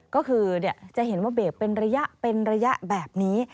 ก็คือจะเห็นว่าเบรกเป็นระยะแบบนี้